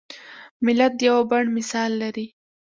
ملت د یوه بڼ مثال لري.